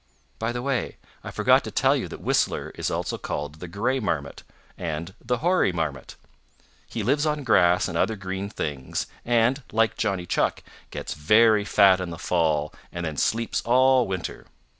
By the way, I forgot to tell you that Whistler is also called the Gray Marmot and the Hoary Marmot. He lives on grass and other green things and, like Johnny Chuck, gets very fat in the fall and then sleeps all winter.